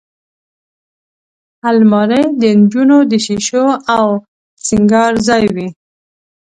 الماري د نجونو د شیشو او سینګار ځای وي